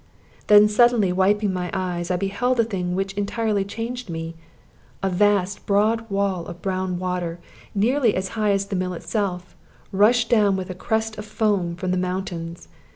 Then suddenly wiping my eyes, I beheld a thing which entirely changed me. A vast, broad wall of brown water, nearly as high as the mill itself, rushed down with a crest of foam from the mountains.